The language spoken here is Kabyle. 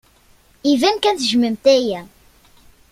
Iban kan tejjmemt aya.